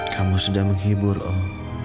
kamu sudah menghibur om